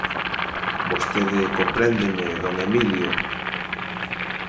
Vostede compréndeme, don Emilio;